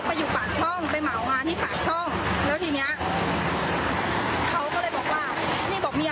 แล้วทีนี้เขาก็ไม่ฝังเขาก็บอกว่ากูมีปืนนะ